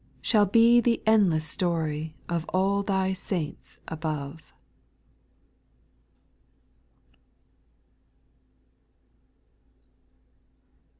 Shall be the endless story Of all Thy saints aboye.